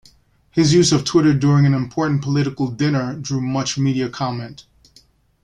His use of Twitter during an important political dinner drew much media comment.